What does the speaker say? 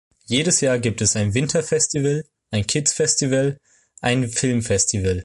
Jedes Jahr gibt es ein Winterfestival, ein Kidsfestival, ein Filmfestival.